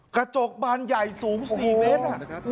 กระจกบานใหญ่สูง๔เมตร